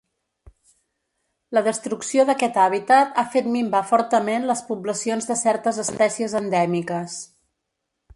La destrucció d'aquest hàbitat ha fet minvar fortament les poblacions de certes espècies endèmiques.